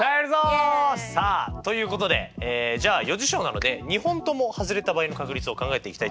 イエイ！さあということでえじゃあ余事象なので２本ともはずれた場合の確率を考えていきたいと思います。